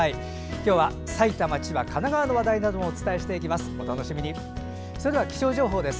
今日は埼玉、千葉、神奈川の話題などもお伝えしていきます。